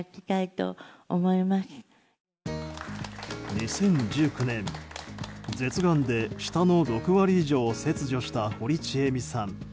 ２０１９年舌がんで舌の６割以上を切除した堀ちえみさん。